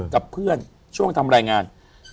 กับเพื่อนช่วงทำรายงาน